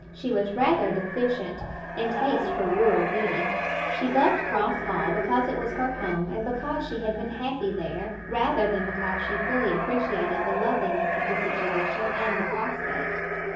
She was rather deficient in taste for rural beauty. She loved Cross Hall because it was her home, and because she had been happy there, rather than because she fully appreciated the loveliness of the situation and the prospect.